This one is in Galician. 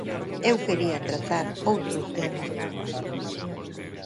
Eu quería tratar outro tema.